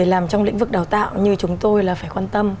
làm trong lĩnh vực đào tạo như chúng tôi là phải quan tâm